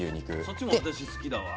そっちも私好きだわ。